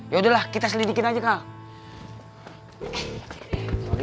yaudahlah kita selidikin aja kak